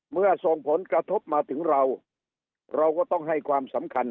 ส่งผลกระทบมาถึงเราเราก็ต้องให้ความสำคัญ